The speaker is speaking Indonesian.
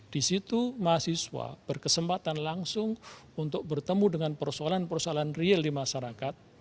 di situ mahasiswa berkesempatan langsung untuk bertemu dengan persoalan persoalan real di masyarakat